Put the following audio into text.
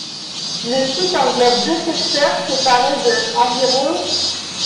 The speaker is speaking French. Le site englobe deux secteurs séparés de environ.